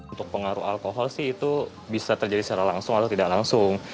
untuk pengaruh alkohol sih itu bisa terjadi secara langsung atau tidak langsung